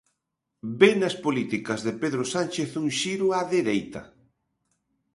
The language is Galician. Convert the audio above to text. Ve nas políticas de Pedro Sánchez un xiro á dereita.